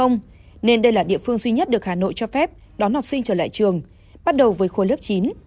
nên đây là địa phương duy nhất được hà nội cho phép đón học sinh trở lại trường bắt đầu với khối lớp chín